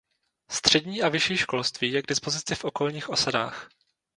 Střední a vyšší školství je k dispozici v okolních osadách.